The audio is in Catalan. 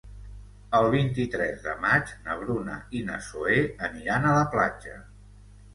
El vint-i-tres de maig na Bruna i na Zoè aniran a la platja.